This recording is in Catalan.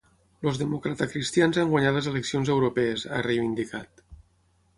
Els democratacristians han guanyat les eleccions europees, ha reivindicat.